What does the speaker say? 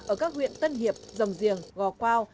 ở các huyện tân hiệp dòng diềng gò quao